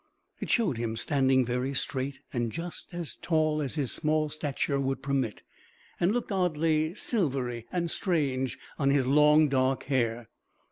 It showed him standing very straight and just as tall as his small stature would permit, and looked oddly silvery and strange on his long, dark hair.